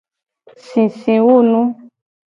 Sisiwunu.